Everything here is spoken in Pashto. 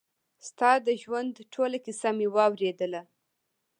ستا د ژوند ټوله کيسه مې واورېدله.